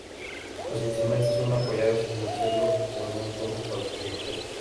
Los instrumentos son apoyados en el suelo o en un tronco para su ejecución.